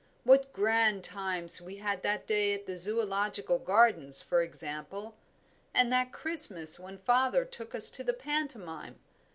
what grand times we had that day at the Zoological Gardens, for example! and that Christmas when father took us to the pantomime!